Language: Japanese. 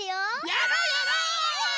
やろうやろう！